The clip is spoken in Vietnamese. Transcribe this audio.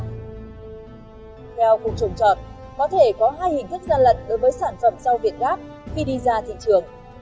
theo cục trồng trọt có thể có hai hình thức gian lận đối với sản phẩm rau việt gáp khi đi ra thị trường